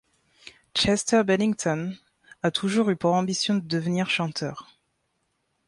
Chester Bennington a toujours eu pour ambition de devenir chanteur.